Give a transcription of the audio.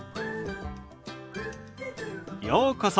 ようこそ。